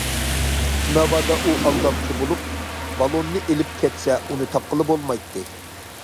ناۋادا ئۇ ئالدامچى بولۇپ، بالوننى ئېلىپ كەتسە، ئۇنى تاپقىلى بولمايتتى.